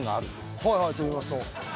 はいはいと言いますと？